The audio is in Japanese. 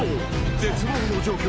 ［絶望の状況